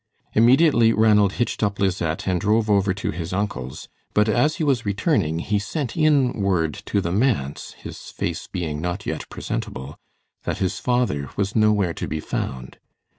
Immediately Ranald hitched up Lisette and drove over to his uncle's, but as he was returning he sent in word to the manse, his face being not yet presentable, that his father was nowhere to be found.